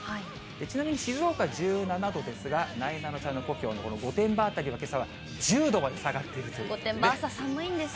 ちなみに、静岡１７度ですが、なえなのちゃんの故郷のこの御殿場辺りはけさは１０度まで下がっ御殿場、朝寒いんですよ。